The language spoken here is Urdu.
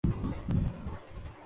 بہت روتے ہیں۔